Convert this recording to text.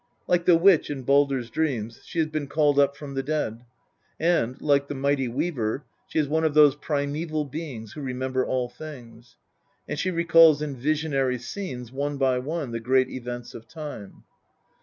Like the witch in Baldr's Dreams, she has been called up from the dead, and, like the Mighty Weaver, she is one of those primaeval beings who remember all things ; and she recalls in visionary scenes, one by one, the great events of time.